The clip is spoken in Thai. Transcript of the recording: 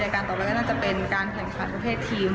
การต่อไปก็น่าจะเป็นการแข่งขันประเภททีม